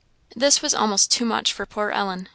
This was almost too much for poor Ellen.